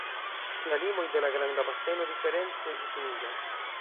La limoj de la Granda Baseno diference difiniĝas.